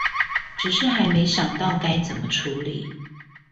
只是還沒想到該怎麼處理